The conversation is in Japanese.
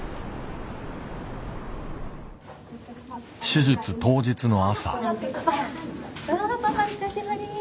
手術当日の朝。